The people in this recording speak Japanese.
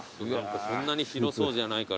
そんなに広そうじゃないから。